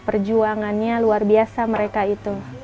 perjuangannya luar biasa mereka itu